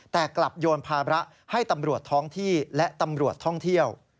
แต่กลับโยนภาระให้ตำรวจท้องที่และตำรวจท่องเที่ยว